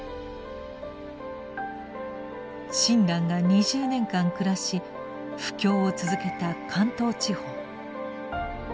親鸞が２０年間暮らし布教を続けた関東地方。